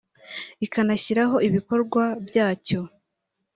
ikanashyiraho ibikorwa byacyo